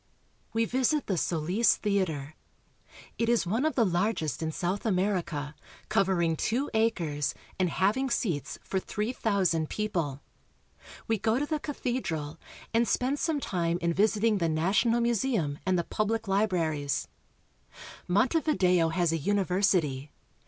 We visit the Solis Theater. It is one of the largest in South America, covering two acres and having seats for three thousand people. We go to the cathedral, and spend some time in visiting the national museum and the pub 206 URUGUAY. lie libraries. Montevideo has a university.